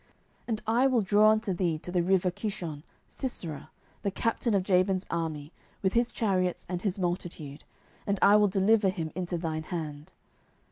07:004:007 And I will draw unto thee to the river Kishon Sisera, the captain of Jabin's army, with his chariots and his multitude; and I will deliver him into thine hand.